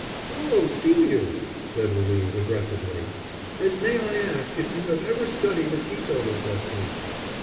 "Oh, do you?" said Louise, aggressively. "And may I ask if you have ever studied the teetotal question?"